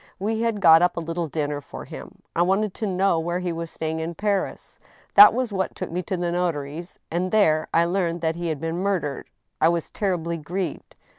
We had got up a little dinner for him. I wanted to know where he was staying in Paris. That was what took me to the notary's, and there I learned that he had been mur dered. ... I was terribly grieved.